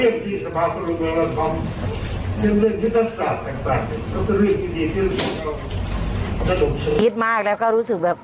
เรื่องวิทยาศาสตร์ต่างก็เป็นเรื่องที่ดีที่สนุกชนิดมากแล้วก็รู้สึกแบบ